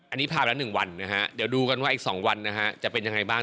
อันนี้พาไปแล้ว๑วันนะครับเดี๋ยวดูกันว่าอีก๒วันจะเป็นยังไงบ้าง